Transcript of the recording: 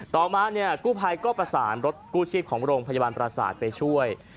ต่อมาเนี่ยกู้ภัยก็ประสานรถกู้ชีพของโรงพยาบาลประสาทไปช่วย